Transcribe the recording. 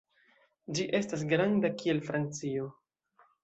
Ĝi estas granda kiel Francio.